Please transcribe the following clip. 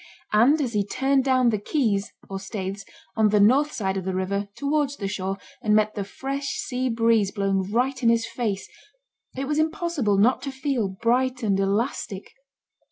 And as he turned down the quays (or staithes) on the north side of the river, towards the shore, and met the fresh sea breeze blowing right in his face, it was impossible not to feel bright and elastic.